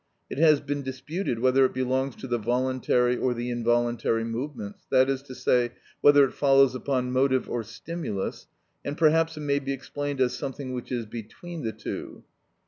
It has been disputed whether it belongs to the voluntary or the involuntary movements, that is to say, whether it follows upon motive or stimulus, and perhaps it may be explained as something which is between the two.